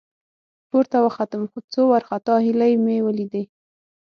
، پورته وختم، څو وارخطا هيلۍ مې ولېدې.